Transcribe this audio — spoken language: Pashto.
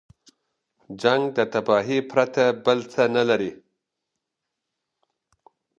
جنګ د تباهۍ پرته بل څه نه لري.